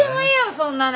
そんなの。